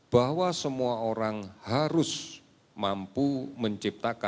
bahwa semua orang harus mampu menciptakan